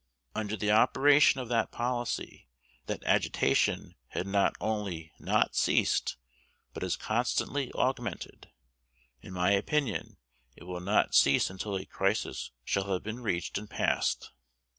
Under the operation of that policy, that agitation had not only not ceased, but has constantly augmented. In my opinion, it will not cease until a crisis shall have been reached and passed.